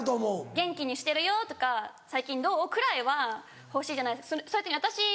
「元気にしてるよ」とか「最近どう？」くらいは欲しいじゃないですか。